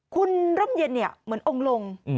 คุณร่มเย็นเหมือนองค์ลง